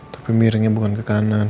tapi miringnya bukan ke kanan